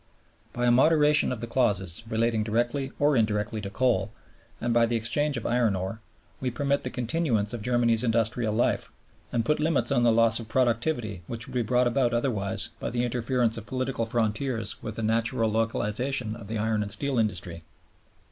By a moderation of the clauses relating directly or indirectly to coal, and by the exchange of iron ore, we permit the continuance of Germany's industrial life, and put limits on the loss of productivity which would be brought about otherwise by the interference of political frontiers with the natural localization of the iron and steel industry.